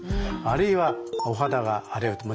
あるいはお肌が荒れると。